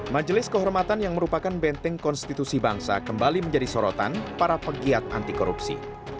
majelis kehormatan yang merupakan benteng konstitusi bangsa kembali menjadi sorotan para pegiat anti korupsi